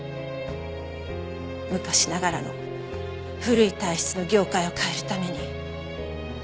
昔ながらの古い体質の業界を変えるために。